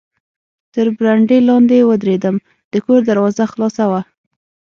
تر برنډې لاندې و درېدم، د کور دروازه خلاصه وه.